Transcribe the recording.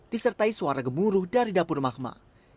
disertai suara gemuruh dari dapur magma